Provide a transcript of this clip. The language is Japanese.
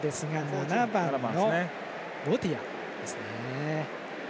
７番のボティアですね。